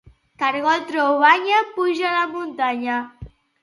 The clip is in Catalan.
Cargol treu banya, puja a la muntanya